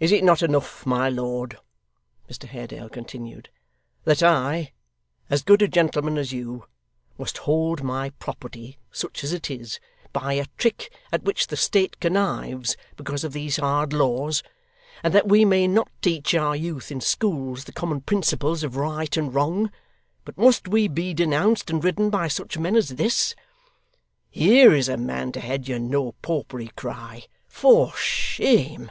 'Is it not enough, my lord,' Mr Haredale continued, 'that I, as good a gentleman as you, must hold my property, such as it is, by a trick at which the state connives because of these hard laws; and that we may not teach our youth in schools the common principles of right and wrong; but must we be denounced and ridden by such men as this! Here is a man to head your No Popery cry! For shame.